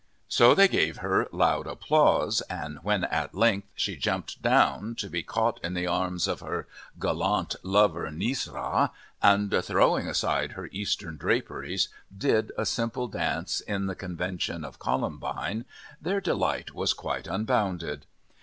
So they gave her loud applause, and when at length she jumped down, to be caught in the arms of her gallant lover, Nissarah, and, throwing aside her Eastern draperies, did a simple dance in the convention of Columbine, their delight was quite unbounded.